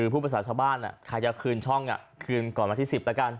ผู้ประสาทชาติบ้านใครจะคืนช่องคืนก่อนมาที่๑๐ละกัน